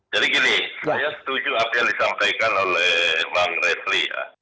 jadi gini saya setuju apa yang disampaikan oleh bang refri